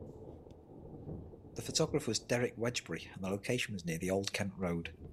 The photographer was Derek Wedgbury and the location was near the Old Kent Road.